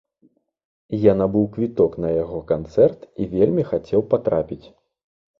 Я набыў квіток на яго канцэрт і вельмі хацеў патрапіць.